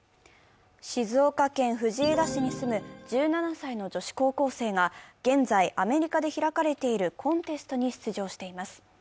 静岡県藤枝市に住む１７歳の女子高校生が、現在、アメリカで開かれているコンテストに出場しています。